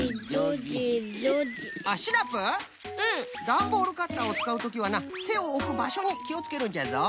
ダンボールカッターをつかうときはなてをおくばしょにきをつけるんじゃぞ。